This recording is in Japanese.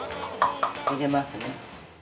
入れますね。